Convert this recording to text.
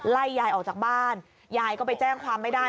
ไล่ยายออกจากบ้านยายก็ไปแจ้งความไม่ได้